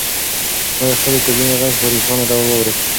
ما د خپلې کوژدنې غږ په روښانه ډول واورېد.